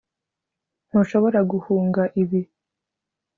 Ntushobora guhunga ibi